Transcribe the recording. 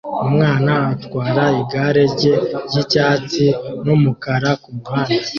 Umwana atwara igare rye ry'icyatsi n'umukara kumuhanda